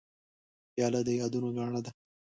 پیاله د یادونو ګاڼه ده.